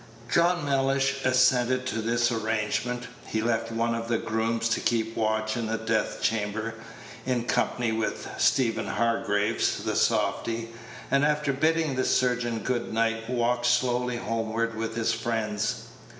John Mellish assented to this arrangement. He left one of the grooms to keep watch in the death chamber, in company with Stephen Hargraves, the softy; and, after bidding the surgeon good night, walked slowly homeward with his friends.